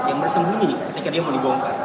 yang bersembunyi ketika dia mau dibongkar